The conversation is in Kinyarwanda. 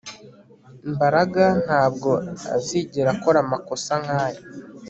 Mbaraga ntabwo azigera akora amakosa nkaya